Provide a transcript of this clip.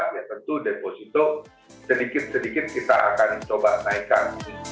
ya tentu deposito sedikit sedikit kita akan coba naikkan